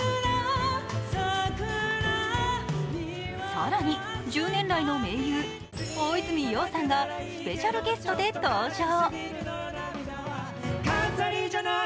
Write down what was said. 更に１０年来の盟友、大泉洋さんがスペシャルゲストで登場。